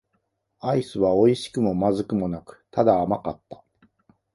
アイスは美味しくも不味くもなく、ただ甘かった。